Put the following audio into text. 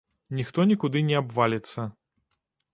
Ніхто нікуды не абваліцца.